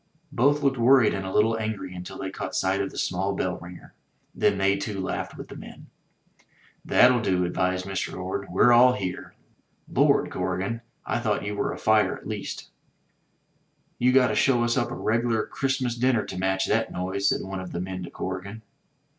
Both looked worried and a little angry until they caught sight of the small bell ringer. Then they too laughed with the men. "That'll do," advised Mr. Orde, "weVe all here. Lord, Corrigan! I thought you were afire at least." "You got to show us up a regular Christmas dinner to match that noise," said one of the men to Corrigan.